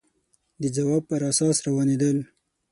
د ځواب پر اساس روانېدل